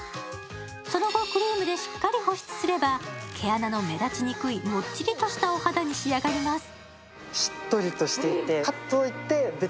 その後、クリームでしっかり保湿すれば、毛穴の目立ちにくい、もっちりとしたお肌に仕上がります。